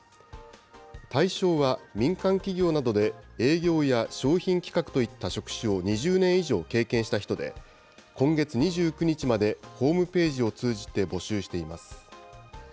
対象は民間企業などで営業や商品企画といった職種を２０年以上経験した人で、今月２９日までホームページを通じて募集しています。